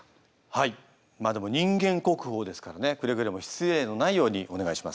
はいまあでも人間国宝ですからねくれぐれも失礼のないようにお願いします。